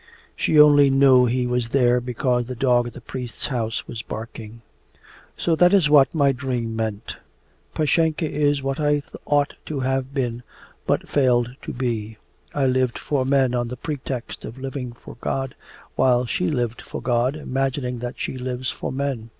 She only knew he was there because the dog at the priest's house was barking. 'So that is what my dream meant! Pashenka is what I ought to have been but failed to be. I lived for men on the pretext of living for God, while she lived for God imagining that she lives for men.